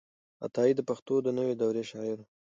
عطايي د پښتو د نوې دور شاعر و.